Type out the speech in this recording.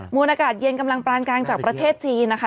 วนอากาศเย็นกำลังปานกลางจากประเทศจีนนะคะ